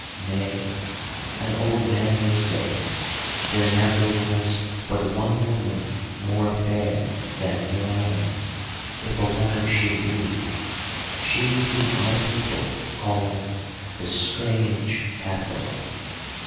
Nay, an old man may say it, there never was but one woman more fair than Meriamun, if a woman she be, she whom our people call the Strange Hathor."